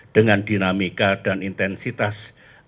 dengan dinamika dan intensitas